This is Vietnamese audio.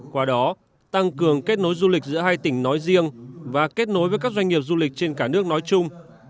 qua đó tăng cường kết nối du lịch giữa hai tỉnh nói riêng và kết nối với các doanh nghiệp du lịch trên cả nước nói chung